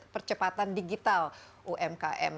percepatan digital umkm